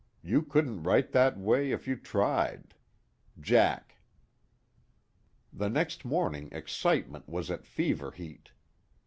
You couldn't write that way if you tried. JACK." The next morning excitement was at fever heat.